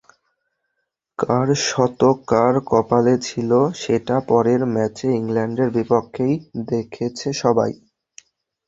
কার শতক কার কপালে ছিল, সেটা পরের ম্যাচে ইংল্যান্ডের বিপক্ষেই দেখেছে সবাই।